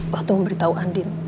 waktu memberitahu andin